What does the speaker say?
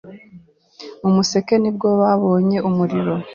Mu museke ni bwo babonye umuriro.